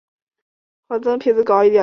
汉军人。